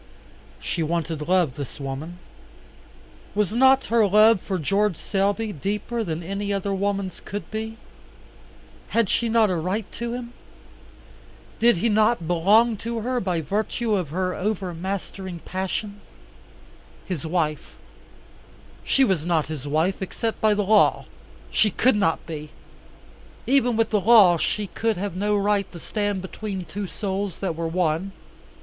She wanted love, this woman. Was not her love for George Selby deeper than any other woman's could be? Had she not a right to him? Did he not belong to her by virtue of her overmastering passion? His wife she was not his wife, except by the law. She could not be. Even with the law she could have no right to stand between two souls that were one.